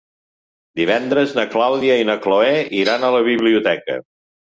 Divendres na Clàudia i na Cloè iran a la biblioteca.